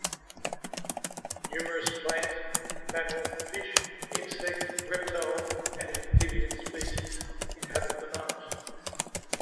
Numerous plant, mammal, fish, insect, reptile and amphibian species inhabit the marsh.